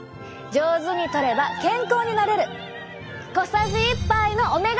上手にとれば健康になれる。